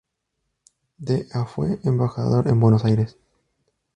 De a fue embajador en Buenos Aires.